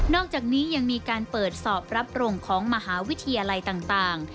อกจากนี้ยังมีการเปิดสอบรับโรงของมหาวิทยาลัยต่าง